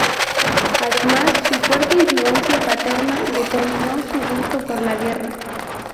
Además, su fuerte influencia paterna determinó su gusto por la guerra.